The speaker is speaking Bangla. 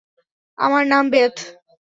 আমার নাম বেথ।